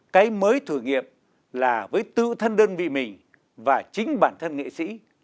cái mới thử nghiệm là với tự thân đơn vị mình và chính bản thân nghệ sĩ